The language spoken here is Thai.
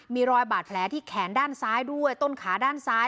มีรอยบาดแผลที่แขนด้านซ้ายด้วยต้นขาด้านซ้าย